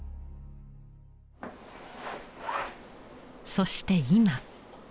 そして今。